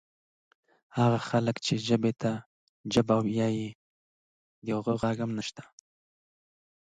هغه کسان چې ژبې ته جبه وایي د هغو ږغ هم نسته.